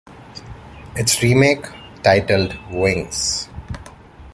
Its remake titled Wings!